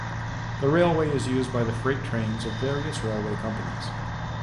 The railway is used by the freight trains of various railway companies.